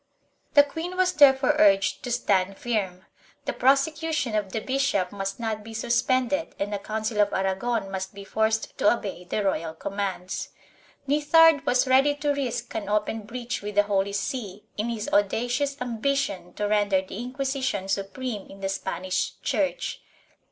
The queen was therefore urged to stand firm; the prosecution of the bishop must not be suspended and the Council of Aragon must be forced to obey the royal commands. Nithard was ready to risk an open breach with the Holy See in his audacious ambition to render the Inquisition supreme in the Spanish Church.